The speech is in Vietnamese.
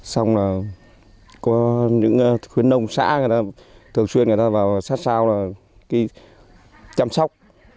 xong là có những khuyến nông xã thường xuyên người ta vào sát sao là chăm sóc